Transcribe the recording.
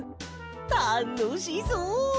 たのしそう！